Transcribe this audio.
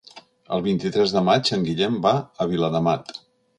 El vint-i-tres de maig en Guillem va a Viladamat.